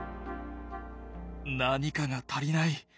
何かが足りない。